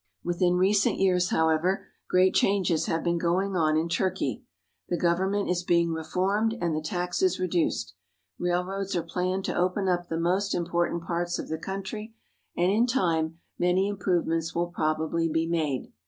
Within recent years, however, great changes have been going on in Turkey. The government is being reformed and the taxes reduced. Railroads are planned to open up the most important parts of the country, and in time many improvements will probably be made.